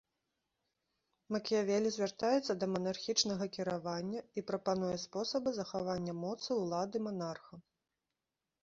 Макіявелі звяртаецца да манархічнага кіравання і прапануе спосабы захавання моцы ўлады манарха.